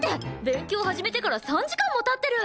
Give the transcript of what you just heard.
勉強始めてから３時間も経ってる。